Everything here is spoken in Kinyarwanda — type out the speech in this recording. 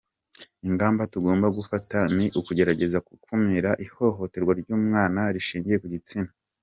Ingamba tugomba gufata ni ukugerageza gukumira ihohoterwa ry’umwana rishingiye ku gitsina.